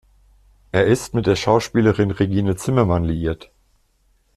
Er ist mit der Schauspielerin Regine Zimmermann liiert.